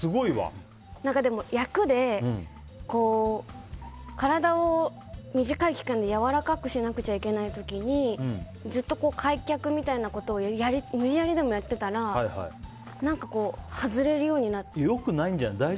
役で体を短い期間でやわらかくしなくちゃいけない時にずっと開脚みたいなことを無理やりにでもやってたら良くないんじゃない？